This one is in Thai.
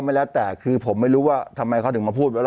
ก็แล้วแต่คือผมไม่รู้ว่าทำไมเขาถึงมาพูดว่า